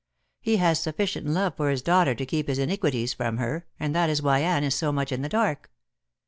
He has sufficient love for his daughter to keep his iniquities from her, and that is why Anne is so much in the dark.